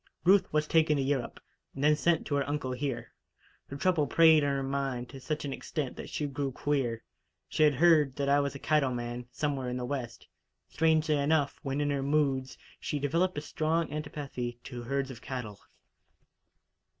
Ruth was taken to Europe, and then sent to her uncle here. Her trouble preyed on her mind to such an extent that she grew 'queer.' She had heard that I was a cattle man, somewhere in the West. Strangely enough, when in her moods, she developed a strong antipathy to herds of cattle.